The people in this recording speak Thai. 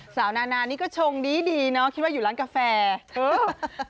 นานานี่ก็ชงดีดีเนาะคิดว่าอยู่ร้านกาแฟเออ